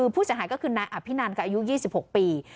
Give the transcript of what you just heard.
ผู้เสียหายก็คือนายอภินันค่ะอายุ๒๖ปี